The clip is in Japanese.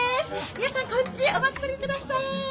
皆さんこっちへお集まりくださーい！